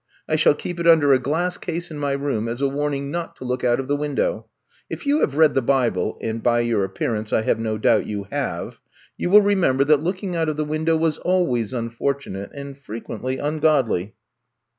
I shall keep it under a glass case in my room as a warning not to look out of the window. If you have read the Bible — and by your appearance I have no doubt you have — you will remember that looking out of the window was always unfortunate and frequently ungodly."